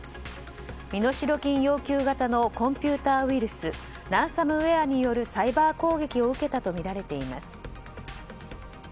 身代金要求型のコンピューターウイルスランサムウェアによるサイバー攻撃を受けたとみられています。